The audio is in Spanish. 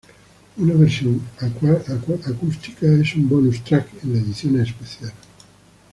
Una versión acústica es un bonus track en la edición especial.